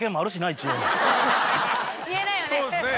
言えないよね。